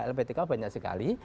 lptk banyak sekali